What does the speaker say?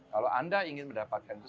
kalau anda ingin mendapatkan